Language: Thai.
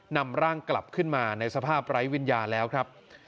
นำร่างกลับขึ้นมาในสภาพไร้วิญญาณแล้วครับ